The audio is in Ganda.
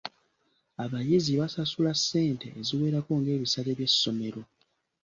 Abayizi basasula ssente eziwerako ng’ebisale by’essomero.